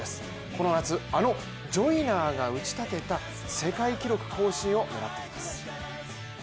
この夏、あのジョイナーが打ちたてた世界記録更新を狙っています。